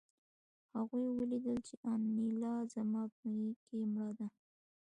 هغوی ولیدل چې انیلا زما په غېږ کې مړه ده